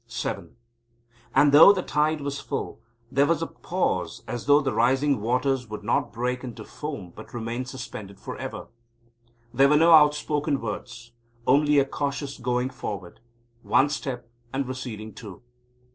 VII And, though the tide was full, there was a pause as though the rising waters would not break into foam but remain suspended for ever. There were no outspoken words, only a cautious going forward one step and receding two.